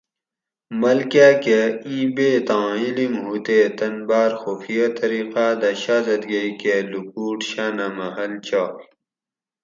ملکہ کہ ایں بیتاں علم ہو تے تن باۤر خفیہ طریقہ دہ شازادگے کہ لُکوٹ شاۤنہ محل چاگ